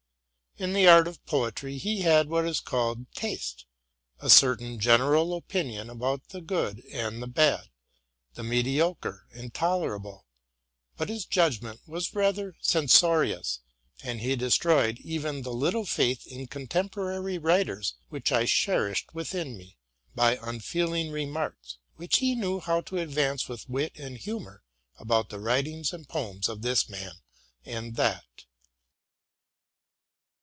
In the art of poetry he had what is called taste, — a certain general opinion about the good and bad, the mediocre and tolerable : but his judgment was rather censorious ; and he destroyed even the little faith in contemporary writers which I cherished within me, by unfeeling remarks, which he knew how to advance with wit and humor, about the writings and poems of this man and that.